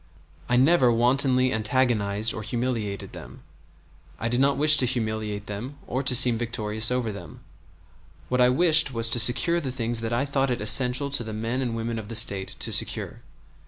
I never wantonly antagonized or humiliated them. I did not wish to humiliate them or to seem victorious over them; what I wished was to secure the things that I thought it essential to the men and women of the State to secure.